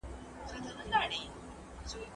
که سوله وي نو بې کوره نه کیږي.